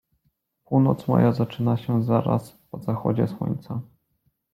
Północ moja zaczyna się zaraz po zachodzie słońca.